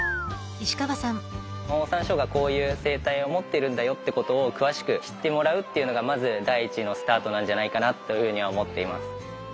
オオサンショウウオがこういう生態を持ってるんだよってことを詳しく知ってもらうっていうのがまず第一のスタートなんじゃないかなというふうには思っています。